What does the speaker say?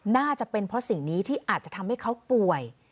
น่าจะเป็นเพราะสิ่งนี้ที่อาจจะทำให้เขาป่วย